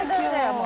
もう。